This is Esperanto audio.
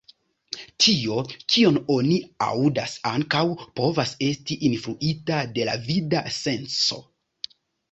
Tio, kion oni aŭdas ankaŭ povas esti influita de la vida senso.